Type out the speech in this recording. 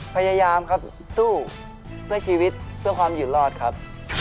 พยายามสู้ชีวิตเพื่อความหยุดรอดครับ